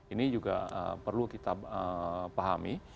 ini juga perlu kita pahami